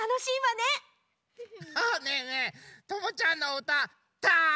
ねえねえともちゃんのおうたたのしい！